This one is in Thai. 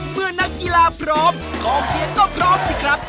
นักกีฬาพร้อมกองเชียร์ก็พร้อมสิครับ